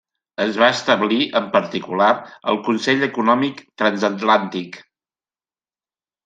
Es va establir, en particular, el Consell Econòmic Transatlàntic.